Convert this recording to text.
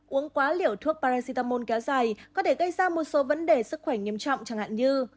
uống quá liều thuốc parison kéo dài có thể gây ra một số vấn đề sức khỏe nghiêm trọng chẳng hạn như